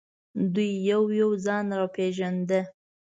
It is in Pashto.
دوی یو یو ځان را پېژانده.